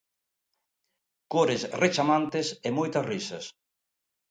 Cores rechamantes e moitas risas.